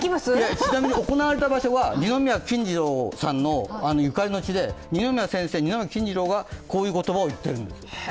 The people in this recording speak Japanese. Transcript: ちなみに、行われた場所は二宮金次郎さんのゆかりの地で、二宮金次郎さんがこういう言葉を言っているんです。